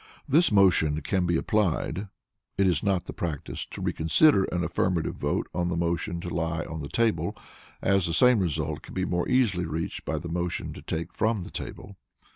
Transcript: This motion can be applied* [It is not the practice to reconsider an affirmative vote on the motion to lie on the table, as the same result can be more easily reached by the motion to take from the table.